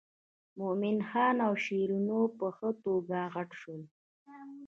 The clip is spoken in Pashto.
مومن خان او شیرینو په ښه توګه غټ شول.